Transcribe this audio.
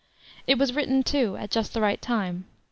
It was written, too, at just the right time.